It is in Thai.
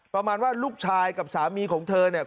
ประมาณว่าลูกชายกับสามีของเธอเนี่ย